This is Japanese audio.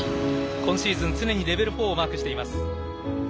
今シーズン常にレベル４をマークしています。